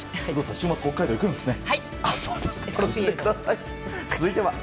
週末、北海道行くんですね？